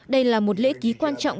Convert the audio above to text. đây là một lễ ký quan trọng